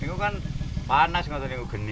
ini kan panas tapi ini gede